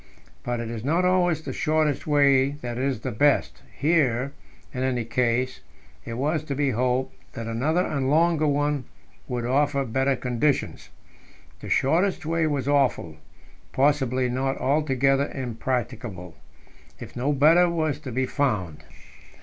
But it is not always the shortest way that is the best; here, in any case, it was to be hoped that another and longer one would offer better conditions. The shortest way was awful possibly not altogether impracticable, if no better was to be found.